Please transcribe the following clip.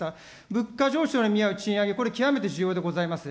物価上昇に見合う賃上げ、これ極めて重要でございます。